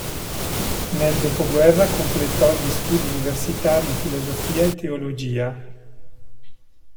Nel dopoguerra completò gli studi universitari in filosofia e teologia.